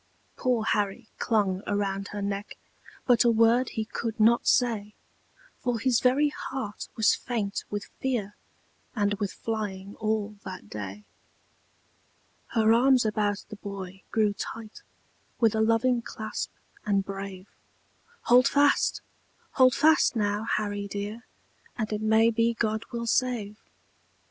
Poor Harry clung around her neck, But a word he could not say, For his very heart was faint with fear, And with flying all that day. Her arms about the boy grew tight, With a loving clasp, and brave; "Hold fast! Hold fast, now, Harry dear, And it may be God will save."